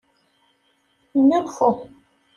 Nnulfu.